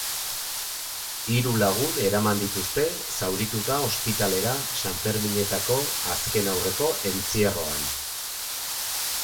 Hiru lagun eraman dituzte zaurituta ospitalera sanferminetako azkenaurreko entzierroan.